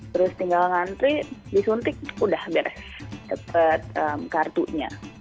terus tinggal ngantri disuntik udah beres dapat kartunya